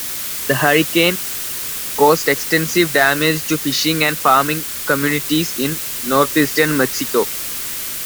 The hurricane caused extensive damage to fishing and farming communities in northeastern Mexico.